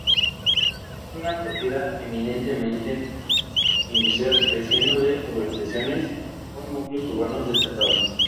Es una partida eminentemente industrial, careciendo de urbanizaciones o núcleos urbanos destacables.